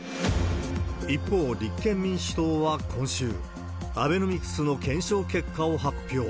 一方、立憲民主党は今週、アベノミクスの検証結果を発表。